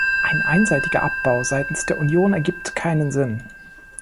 Ein einseitiger Abbau seitens der Union ergibt keinen Sinn.